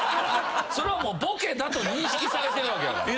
それはもうボケだと認識されてるわけやから。